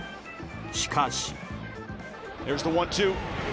しかし。